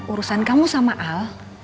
urusan kamu sama al